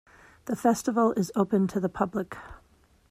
The festival is open to the public.